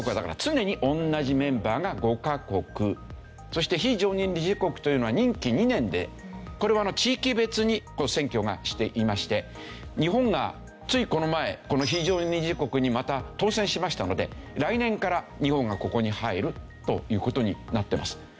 そして非常任理事国というのは任期２年でこれは地域別に選挙がしていまして日本がついこの前この非常任理事国にまた当選しましたので来年から日本がここに入るという事になってます。